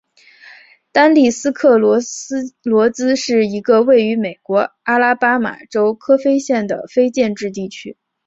丹利斯克罗斯罗兹是一个位于美国阿拉巴马州科菲县的非建制地区。